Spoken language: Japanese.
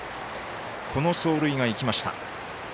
この走塁が生きました。